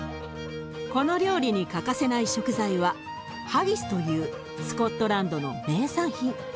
この料理に欠かせない食材はハギスというスコットランドの名産品。